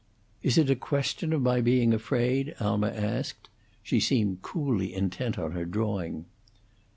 "Is it a question of my being afraid?" Alma asked; she seemed coolly intent on her drawing.